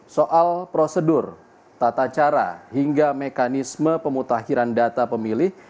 soal prosedur tata cara hingga mekanisme pemutahiran data pemilih